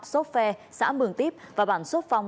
sốp phe xã mường tiếp và bản sốp phong